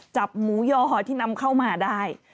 จับหมูยอหอที่นำเข้ามาได้